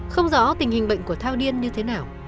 không rõ tình hình bệnh của thao điên như thế nào